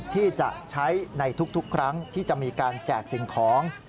ที่จะใช้ในทุกครั้งที่จะมีการแจกสิ่งของ